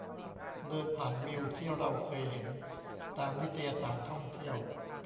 เดินผ่านวิวที่เราเคยเห็นตามนิตยสารท่องเที่ยว